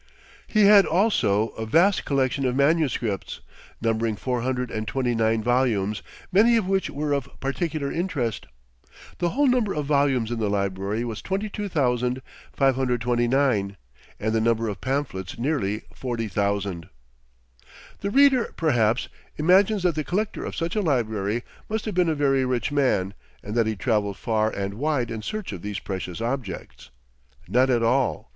He had also a vast collection of manuscripts, numbering four hundred and twenty nine volumes, many of which were of particular interest. The whole number of volumes in the library was 22,529, and the number of pamphlets nearly 40,000. The reader, perhaps, imagines that the collector of such a library must have been a very rich man, and that he traveled far and wide in search of these precious objects. Not at all.